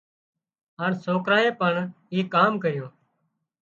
هانَ سوڪرانئين پڻ ايڪ ڪام ڪريون